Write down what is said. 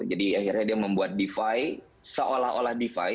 jadi akhirnya dia membuat defi seolah olah defi